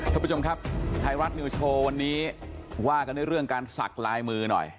ท่านผู้ชมครับไทยรัฐนิวโชว์วันนี้ว่ากันด้วยเรื่องการสักลายมือหน่อย